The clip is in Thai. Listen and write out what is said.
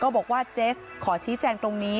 บอกว่าเจสซี่เพราะจะทีแจงตรงนี้